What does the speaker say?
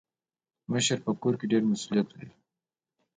مشر په کور کي ډير مسولیت لري.